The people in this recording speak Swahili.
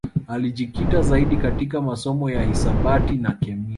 Alijikita zaidi katika masomo ya hisabati na kemia